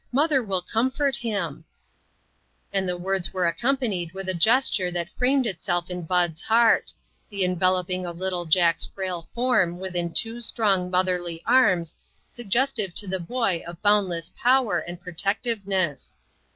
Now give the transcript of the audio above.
mother will comfort him !" and the words were accompanied with a gesture that framed itself in Bud's heart the en veloping of little Jack's frail form within two strong motherly arms, suggestive to the boy of boundless power and protect! veness.